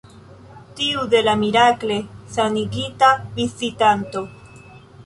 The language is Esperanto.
Tiu de la mirakle sanigita vizitanto.